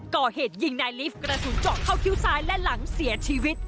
ก่อเหตุยิงนายลิฟต์กระสุนเจาะเข้าคิ้วซ้ายและหลังเสียชีวิต